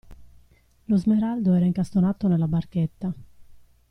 Lo smeraldo era incastonato nella barchetta.